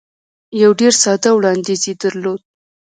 یو ډېر ساده وړاندیز یې درلود.